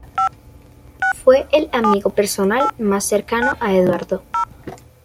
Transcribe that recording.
Fue el amigo personal más cercano a Eduardo.